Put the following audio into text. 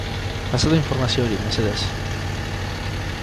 Pasatu informazio hori, mesedez.